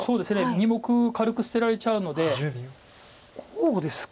２目軽く捨てられちゃうのでこうですか。